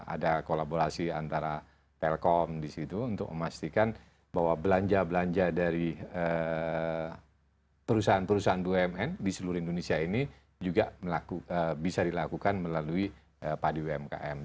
ada kolaborasi antara telkom disitu untuk memastikan bahwa belanja belanja dari perusahaan perusahaan bumn di seluruh indonesia ini juga bisa dilakukan melalui padi umkm